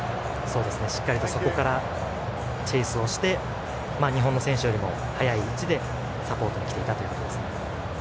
しっかり、そこからチェイスして日本の選手よりも速い位置でサポートに来ていたんですね。